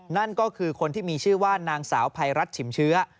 นั่นก็คือคนที่มีชื่อว่านางสาวภัยรัฐฉิมเชื้อ